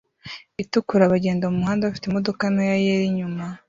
itukura bagenda mumuhanda bafite imodoka ntoya yera inyuma